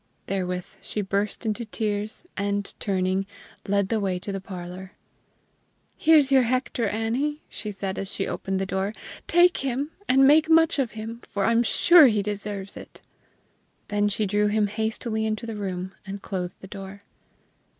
Therewith she burst into tears, and, turning, led the way to the parlor. "Here's your Hector, Annie," she said as she opened the door. "Take him, and make much of him, for I'm sure he deserves it." Then she drew him hastily into the room, and closed the door.